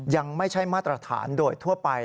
ยังไม่ใช่มาตรฐานโดยทั่วไป